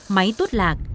máy tốt lạc